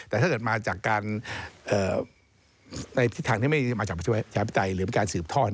แต่ถ้าเกิดมาจากการในทิศทางที่ไม่มาจากประชาธิปไตยหรือเป็นการสืบทอด